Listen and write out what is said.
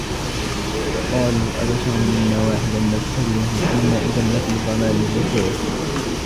فَقَالُوا أَبَشَرًا مِّنَّا وَاحِدًا نَّتَّبِعُهُ إِنَّا إِذًا لَّفِي ضَلالٍ وَسُعُرٍ